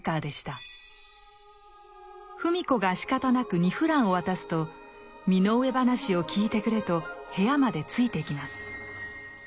芙美子がしかたなく２フランを渡すと身の上話を聞いてくれと部屋までついてきます。